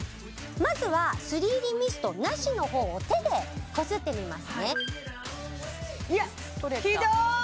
まずは３Ｄミストなしの方を手でこすってみますねいやひどーい！